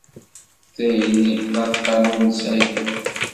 Tayri d aṭṭan ur nesɛi ddwa.